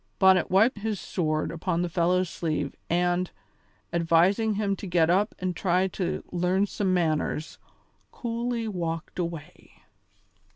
Bonnet wiped his sword upon the fellow's sleeve and, advising him to get up and try to learn some manners, coolly walked away.